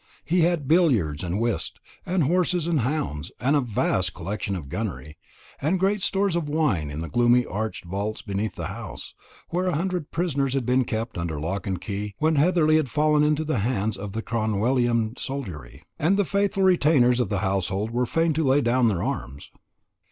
He had billiards and whist, and horses and hounds, and a vast collection of gunnery, and great stores of wine in the gloomy arched vaults beneath the house, where a hundred prisoners had been kept under lock and key when Heatherly had fallen into the hands of the Cromwellian soldiery, and the faithful retainers of the household were fain to lay down their arms.